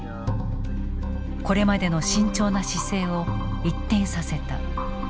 これまでの慎重な姿勢を一転させた。